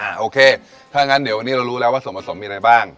โอเคถ้างั้นเดี๋ยววันนี้เรารู้แล้วว่าส่วนผสมมีอะไรบ้าง